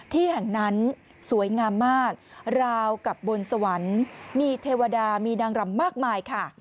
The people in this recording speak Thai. แห่งนั้นสวยงามมากราวกับบนสวรรค์มีเทวดามีนางรำมากมายค่ะ